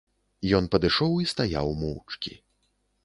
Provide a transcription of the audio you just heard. Ён падышоў і стаяў моўчкі.